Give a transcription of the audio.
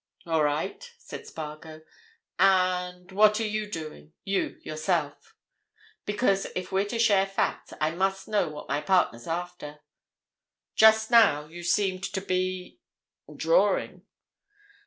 "All right," said Spargo. "And—what are you doing—you, yourself? Because, if we're to share facts, I must know what my partner's after. Just now, you seemed to be—drawing."